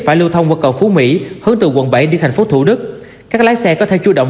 phải lưu thông qua cầu phú mỹ hướng từ quận bảy đi thành phố thủ đức các lái xe có thể chủ động